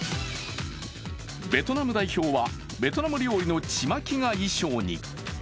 ベトナム代表は、ベトナム料理のちまきが衣装に。